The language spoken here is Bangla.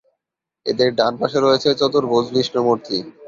এদের ডান পাশে রয়েছে চতুর্ভুজ বিষ্ণু মূর্তি।